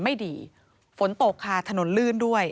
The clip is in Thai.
ไม่ดีฝนตกค่ะถนนลื่นด้วย